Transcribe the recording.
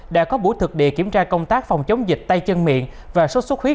đã có buổi thực địa kiểm tra công tác phòng chống dịch tay chân miệng và sốt xuất huyết